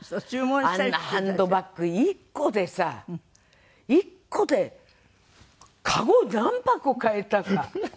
あんなハンドバッグ１個でさ１個で籠何箱買えたか。